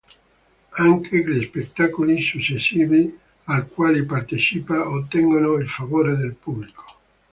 Anche gli spettacoli successivi ai quali partecipa ottengono il favore del pubblico.